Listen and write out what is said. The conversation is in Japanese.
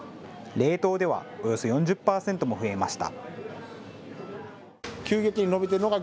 冷凍ではおよそ４０％も増えました。